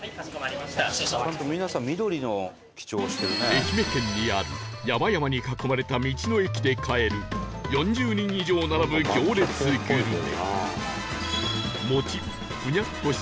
愛媛県にある山々に囲まれた道の駅で買える４０人以上並ぶ行列グルメ